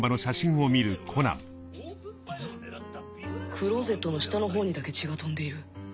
クローゼットの下のほうにだけ血が飛んでいる